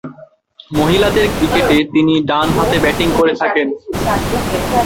মহিলাদের ক্রিকেটে তিনি ডানহাতে ব্যাটিং করে থাকেন।